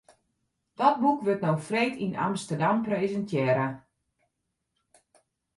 Dat boek wurdt no freed yn Amsterdam presintearre.